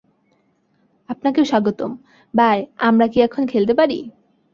আপনাকেও স্বাগতম, বায আমরা কি এখন খেলতে পারি?